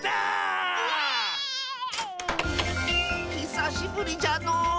ひさしぶりじゃのう。